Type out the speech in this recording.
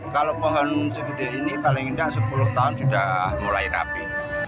kalau pohon seperti ini paling tidak sepuluh tahun sudah mulai rapi